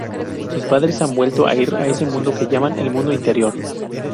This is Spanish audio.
Sus padres han vuelto a ir a ese mundo que llaman el "Mundo interior".